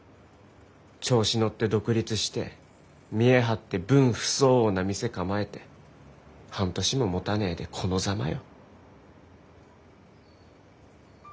調子乗って独立して見え張って分不相応な店構えて半年ももたねえでこのざまよ。